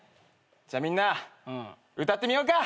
じゃあみんな歌ってみようか！